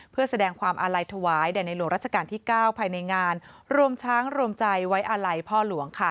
เพื่อแสดงความอาลัยถวายแด่ในหลวงรัชกาลที่๙ภายในงานรวมช้างรวมใจไว้อาลัยพ่อหลวง